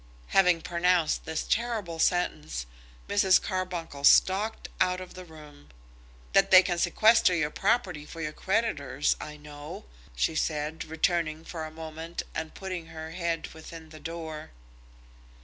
Having pronounced this terrible sentence, Mrs. Carbuncle stalked out of the room. "That they can sequester your property for your creditors, I know," she said, returning for a moment and putting her head within the door.